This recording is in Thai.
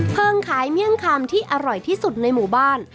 ขายเมี่ยงคำที่อร่อยที่สุดในหมู่บ้าน